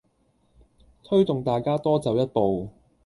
推動大家多走一步